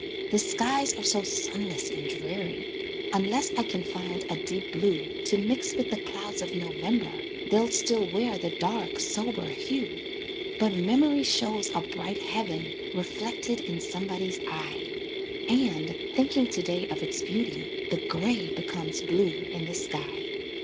The skies are so sunless and dreary, Unless I can find a deep blue To mix with the clouds of November They'll still wear the dark, sober hue; But memory shows a bright heaven Reflected in somebody's eye, And, thinking to day of its beauty, The grey becomes blue in the sky.